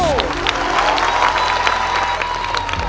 ชัยอาชีวิต